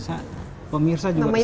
padahal itu bagus sekali